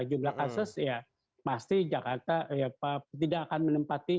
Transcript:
jumlah kasus ya pasti jakarta tidak akan menempati